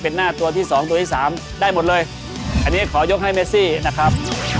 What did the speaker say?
เป็นหน้าตัวที่สองตัวที่สามได้หมดเลยอันนี้ขอยกให้เมซี่นะครับ